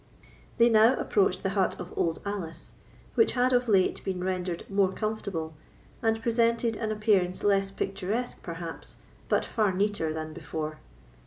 They now approached the hut of Old Alice, which had of late been rendered more comfortable, and presented an appearance less picturesque, perhaps, but far neater than before.